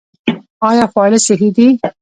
آیا خواړه صحي دي؟